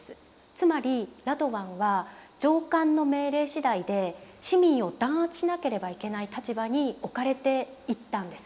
つまりラドワンは上官の命令しだいで市民を弾圧しなければいけない立場に置かれていったんです。